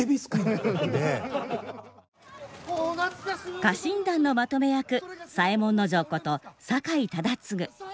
家臣団のまとめ役左衛門尉こと酒井忠次。